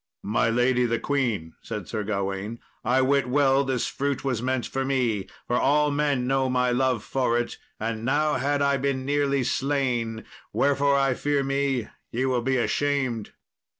"My lady the queen," said Sir Gawain, "I wit well this fruit was meant for me, for all men know my love for it, and now had I been nearly slain; wherefore, I fear me, ye will be ashamed."